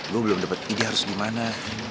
gue belum dapat ide harus gimana